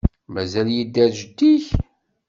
Mazal yedder jeddi-k?